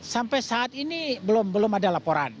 sampai saat ini belum ada laporan